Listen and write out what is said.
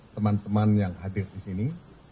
teman teman yang hadir di sini